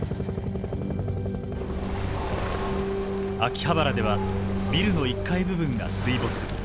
秋葉原ではビルの１階部分が水没。